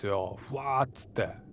ふわっつって。